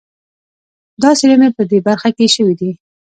دا څېړنې په دې برخه کې شوي دي.